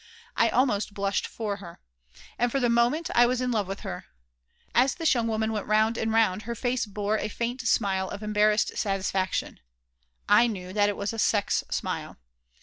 I almost blushed for her. And for the moment I was in love with her. As this young woman went round and round her face bore a faint smile of embarrassed satisfaction. I knew that it was a sex smile.